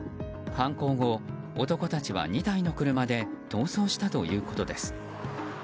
犯行後、男たちは２台の車で逃走したということです。